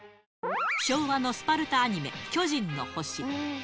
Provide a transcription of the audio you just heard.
昭和のスパルタアニメ、巨人の星。